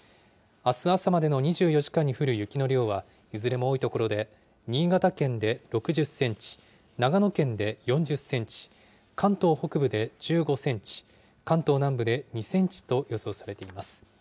あす朝までの２４時間に降る雪の量は、いずれも多い所で、新潟県で６０センチ、長野県で４０センチ、関東北部で１５センチ、関東南部で２センチと予想されています。